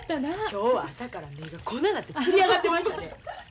今日は朝から目がこんなんなってつり上がってましたで。